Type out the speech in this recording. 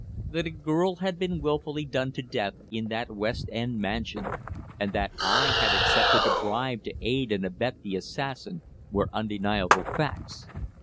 That a girl had been wilfully done to death in that West End mansion, and that I had accepted a bribe to aid and abet the assassin, were undeniable facts.